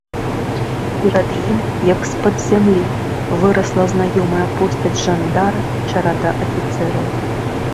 Перад ім, як з-пад зямлі, вырасла знаёмая постаць жандара і чарада афіцэраў.